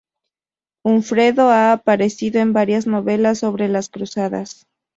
Hunfredo ha aparecido en varias novelas sobre las Cruzadas.